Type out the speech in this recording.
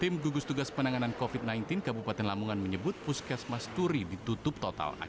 tim gugus tugas penanganan covid sembilan belas kabupaten lamongan menyebut puskesmas turi ditutup total